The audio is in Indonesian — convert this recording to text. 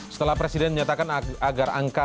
setelah presiden menyatakan agar angka